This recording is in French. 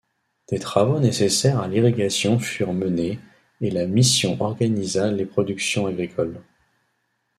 Des travaux nécessaires à l'irrigation furent menés et la mission organisa les productions agricoles.